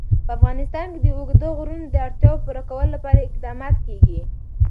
په افغانستان کې د اوږده غرونه د اړتیاوو پوره کولو لپاره اقدامات کېږي.